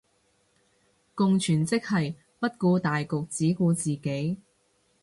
共存即係不顧大局只顧自己